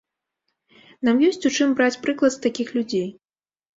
Нам ёсць у чым браць прыклад з такіх людзей.